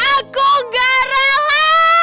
aku gak rela